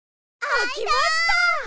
あきました！